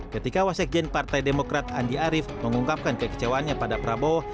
ketika wasekjen partai demokrat andi arief mengungkapkan kekecewaannya pada prabowo